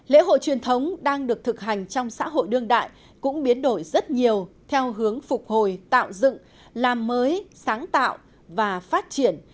lễ hội truyền thống đang được thực hành trong xã hội đương đại cũng biến đổi rất nhiều theo hướng phục hồi tạo dựng làm mới sáng tạo và phát triển